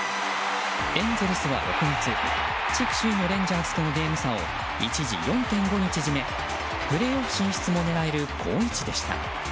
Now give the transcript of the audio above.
エンゼルスは６月地区首位のレンジャーズとのゲーム差を一時４．５に縮めプレーオフ進出も狙える好位置でした。